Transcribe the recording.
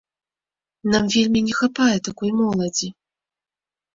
Нам вельмі не хапае такой моладзі.